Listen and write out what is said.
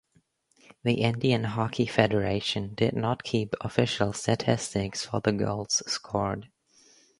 The Indian Hockey Federation did not keep official statistics for the goals scored.